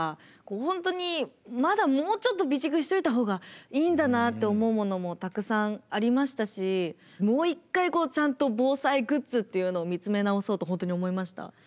本当にまだもうちょっと備蓄しといたほうがいいんだなと思うものもたくさんありましたしもう一回ちゃんと防災グッズというのを見つめ直そうと本当に思いました。